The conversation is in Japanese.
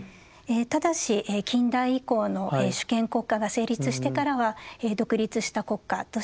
ただし近代以降の主権国家が成立してからは独立した国家として存続してきました。